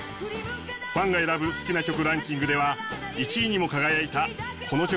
ファンが選ぶ好きな曲ランキングでは１位にも輝いたこの曲は。